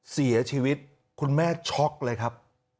เสียชีวิตคุณแม่ช็อกเลยครับ